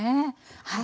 はい。